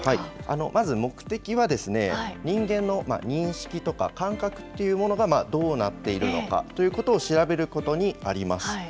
まず目的は、人間の認識とか、感覚というものがどうなっているのかということを調べることにあります。